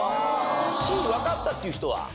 Ｃわかったっていう人は？